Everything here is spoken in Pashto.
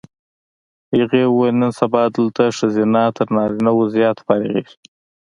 هغې وویل نن سبا دلته ښځینه تر نارینه و زیات فارغېږي.